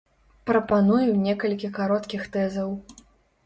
Прапаную некалькі кароткіх тэзаў.